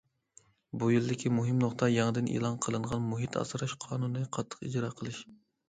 بۇ يىلدىكى مۇھىم نۇقتا يېڭىدىن ئېلان قىلىنغان مۇھىت ئاسراش قانۇنىنى قاتتىق ئىجرا قىلىش.